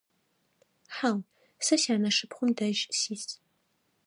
Хьау, сэ сянэшыпхъум дэжь сис.